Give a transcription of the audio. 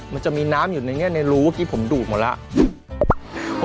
มันจะมีน้ำอยู่ในนี้ในรูว่าที่ผมดูดหมดแล้ว